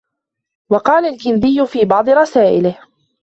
وَقَالَ الْكِنْدِيُّ فِي بَعْضِ رَسَائِلِهِ